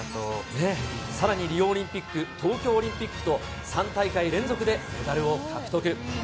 さらに、リオオリンピック、東京オリンピックと、３大会連続でメダルを獲得。